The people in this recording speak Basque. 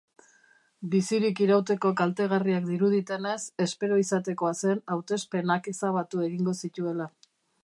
Bizirik irauteko kaltegarriak diruditenez, espero izatekoa zen hautespenak ezabatu egingo zituela.